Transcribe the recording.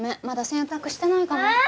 まだ洗濯してないかも。